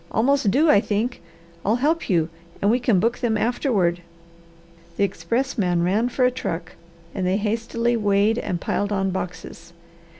Almost due I think. I'll help you and we can book them afterward." The expressman ran for a truck and they hastily weighed and piled on boxes.